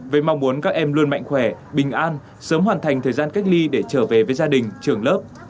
với mong muốn các em luôn mạnh khỏe bình an sớm hoàn thành thời gian cách ly để trở về với gia đình trường lớp